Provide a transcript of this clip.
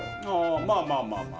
まあまあまあまあ。